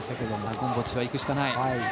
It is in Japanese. ゴムボッチは行くしかない。